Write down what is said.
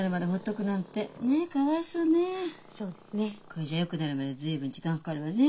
これじゃよくなるまで随分時間かかるわね。